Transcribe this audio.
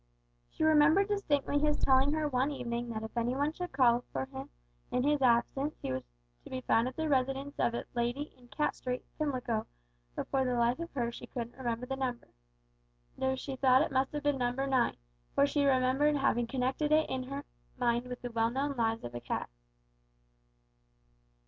She remembered distinctly his telling her one evening that if any one should call for him in his absence he was to be found at the residence of a lady in Cat Street, Pimlico, but for the life of her she couldn't remember the number, though she thought it must have been number nine, for she remembered having connected it in her mind with the well known lives of a cat.